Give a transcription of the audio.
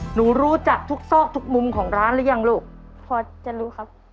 หนูรู้จักทุกซอกทุกมุมของร้านหรือยังลูกพอจะรู้ครับ